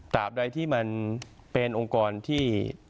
ใดที่มันเป็นองค์กรที่